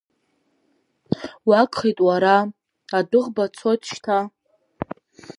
Уагхеит уара, адәыӷба цот шьҭа!